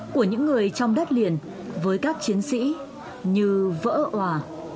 của những người trong đất liền với các chiến sĩ như vỡ hòa